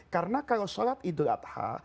karena kalau solat idul adha